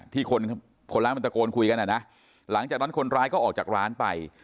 คนคนร้ายมันตะโกนคุยกันอ่ะนะหลังจากนั้นคนร้ายก็ออกจากร้านไป